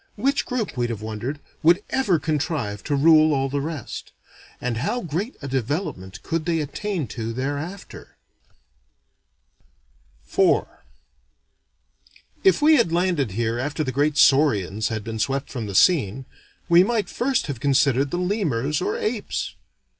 Which group, we'd have wondered, would ever contrive to rule all the rest? And how great a development could they attain to thereafter? IV If we had landed here after the great saurians had been swept from the scene, we might first have considered the lemurs or apes.